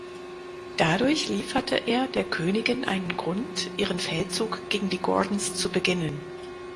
Dadurch lieferte er der Königin einen Grund, ihren Feldzug gegen die Gordons zu beginnen.